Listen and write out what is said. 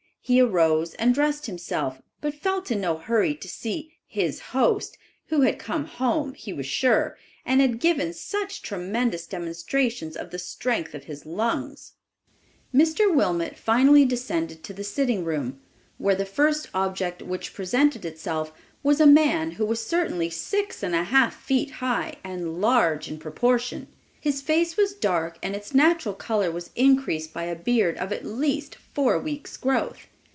He arose and dressed himself, but felt in no hurry to see "his host," who had come home, he was sure, and had given such tremendous demonstrations of the strength of his lungs. Mr. Wilmot finally descended to the sitting room, where the first object which presented itself was a man who was certainly six and a half feet high, and large in proportion. His face was dark and its natural color was increased by a beard of at least four weeks' growth!